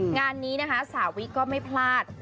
งานนี้นะคะสาวิก็ไม่พลาด